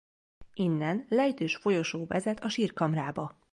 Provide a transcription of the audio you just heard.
Innen lejtős folyosó vezet a sírkamrába.